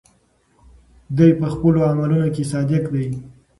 دی په خپلو عملونو کې صادق دی.